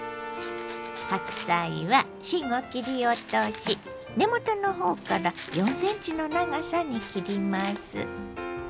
白菜は芯を切り落とし根元のほうから４ｃｍの長さに切ります。